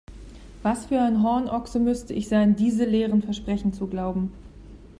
Was für ein Hornochse müsste ich sein, diese leeren Versprechen zu glauben!